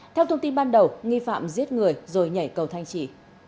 theo thông tin ban đầu nghi phạm giết người rồi nhảy cầu thanh trì